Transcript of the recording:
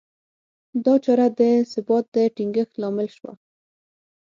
دا چاره د ثبات د ټینګښت لامل شوه.